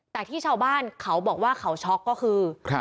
แต่ที่ชาวบ้านเขาบอกว่าเขาช็อกก็คือ